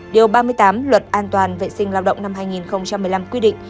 điều ba mươi tám luật an toàn vệ sinh lao động năm hai nghìn một mươi năm quy định